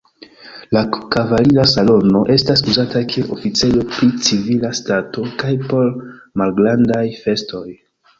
La kavalira salono estas uzata kiel oficejo pri civila stato kaj por malgrandaj festoj.